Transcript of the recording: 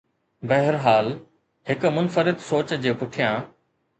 بهرحال، هڪ منفرد سوچ جي پٺيان